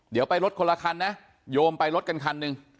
เดี๋ยวไปรถคนละคันนะโยมไปรถกันคันหนึ่ง